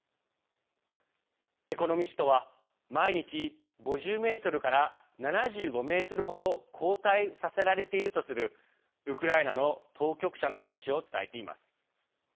「エコノミスト」は毎日５０ｍから７５ｍ程後退させられているとするウクライナの当局者の話を伝えています。